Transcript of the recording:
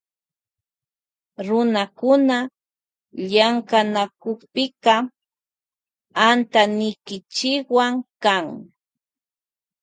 Runakuna llamkanawkupika antanikichikwan kan.